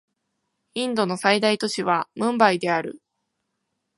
インドの最大都市はムンバイである